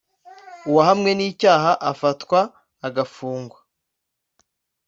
uwahamwe n ‘icyaha afatwa agafungwa